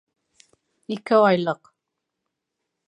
Ике айлыҡ